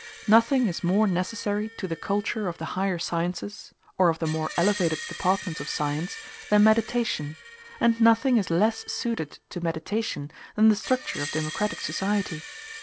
Nothing is more necessary to the culture of the higher sciences, or of the more elevated departments of science, than meditation; and nothing is less suited to meditation than the structure of democratic society.